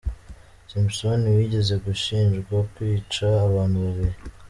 Simpson wigeze gushinjwa kwica abantu babiri.